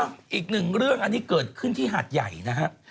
อีกหนึ่งเรื่องอันนี้เกิดขึ้นที่หาดใหญ่นะฮะ